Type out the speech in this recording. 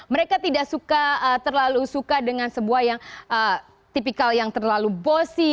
mereka tidak suka terlalu suka dengan sebuah yang tipikal yang terlalu bossy